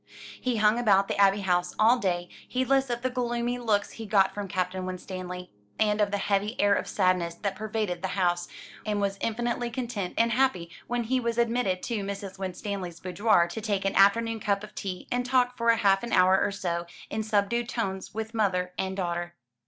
He hung about the Abbey House all day, heedless of the gloomy looks he got from Captain Winstanley, and of the heavy air of sadness that pervaded the house, and was infinitely content and happy when he was admitted to Mrs. Winstanley's boudoir to take an afternoon cup of tea, and talk for half an hour or so, in subdued tones, with mother and daughter.